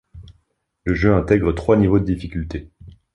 Le jeu intègre trois niveaux de difficulté.